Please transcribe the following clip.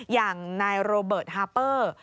อย่างนายโรเบิร์ตฮาเปอร์